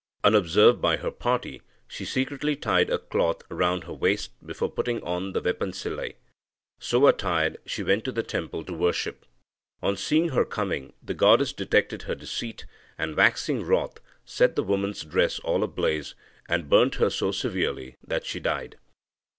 Unobserved by her party, she secretly tied a cloth round her waist before putting on the vepansilai. So attired, she went to the temple to worship. On seeing her coming, the goddess detected her deceit, and, waxing wroth, set the woman's dress all ablaze, and burnt her so severely that she died."